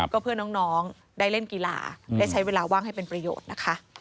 ก็เพื่อน้องได้เล่นกีฬาได้ใช้เวลาว่างให้เป็นประโยชน์นะคะ